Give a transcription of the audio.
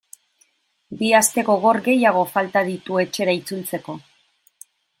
Bi aste gogor gehiago falta ditu etxera itzultzeko.